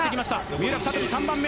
三浦、再び３番目。